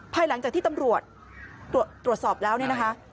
ภายหลังจากที่ตำรวจตรวจสอบแล้วเนี่ยนะคะ